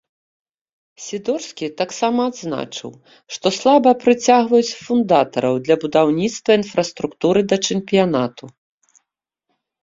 Сідорскі таксама адзначыў, што слаба прыцягваюць фундатараў для будаўніцтва інфраструктуры да чэмпіянату.